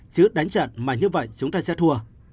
chứ đánh chặn mà như vậy chúng ta sẽ thua